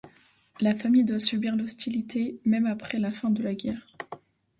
La famille doit subir l'hostilité même après la fin de la guerre.